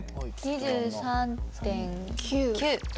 ２３．９度。